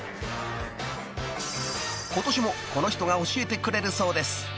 ［今年もこの人が教えてくれるそうです］